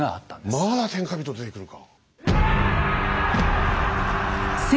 まだ天下人出てくるか。